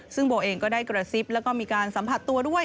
ซึ่งโบเองก็ได้กระซิบแล้วก็มีการสัมผัสตัวด้วย